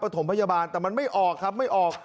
ถมพยาบาลแต่มันไม่ออกครับไม่ออก